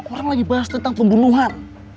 orang lagi bahas tentang pembunuhan